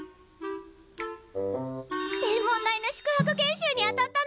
天文台の宿泊研修に当たったの！